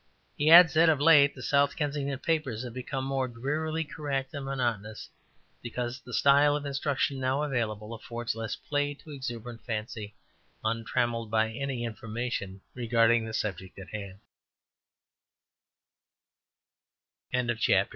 He adds that of late the South Kensington papers have become more drearily correct and monotonous, because the style of instruction now available affords less play to exuberant fancy untrammelled by any inf